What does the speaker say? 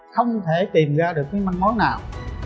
không thể tìm ra được cái manh mối nào